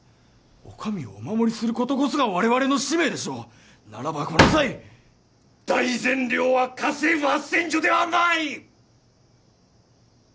お上をお守りすることこそが我々の使命でしょうならばこの際大膳寮は家政婦斡旋所ではない！